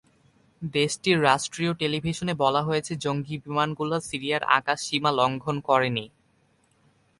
দেশটির রাষ্ট্রীয় টেলিভিশনে বলা হয়েছে, জঙ্গি বিমানগুলো সিরিয়ার আকাশসীমা লঙ্ঘন করেনি।